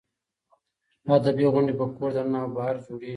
ادبي غونډې په کور دننه او بهر جوړېږي.